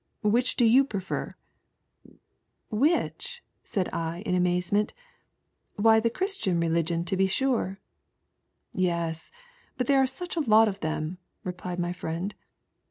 Which do you prefer ?"" Which ?" said I in amazement ;" why the Christian religion to be anre." " Yes, but there are such a lot of them," replied my friend.